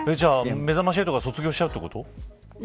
めざまし８から卒業しちゃうってこと。